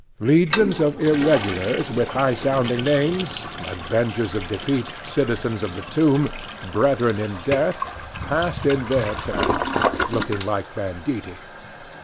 Legions of irregulars with high sounding names "Avengers of Defeat," "Citizens of the Tomb," "Brethren in Death" passed in their turn, looking like banditti.